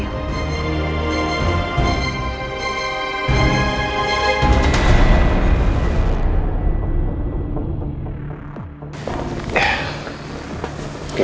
kau yang maha adil